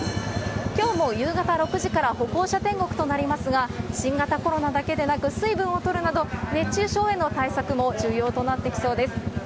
きょうも夕方６時から歩行者天国となりますが、新型コロナだけでなく、水分をとるなど、熱中症への対策も重要となってきそうです。